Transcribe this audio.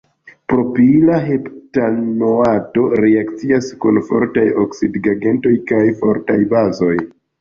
Propila heptanoato reakcias kun fortaj oksidigagentoj kaj fortaj bazoj.